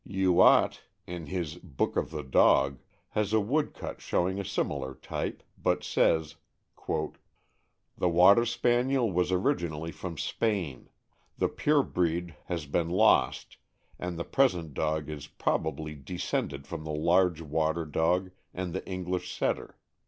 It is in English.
Youatt, in his "Book of the Dog," has a wood cut showing a similar type, but says: "The Water Spaniel was originally from Spain; the pure breed has been lost, and the present dog is prob ably descended from the large water dog and the English Setter."